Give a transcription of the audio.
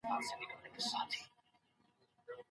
دفاع وزارت پټ قرارداد نه عملي کوي.